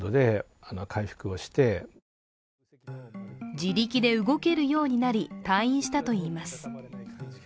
自力で動けるようになり、退院したといいます。